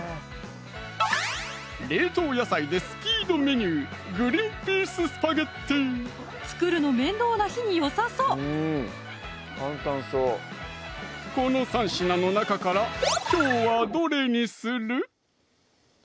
冷凍野菜でスピードメニュー作るの面倒な日によさそうこの３品の中からきょうはどれにする？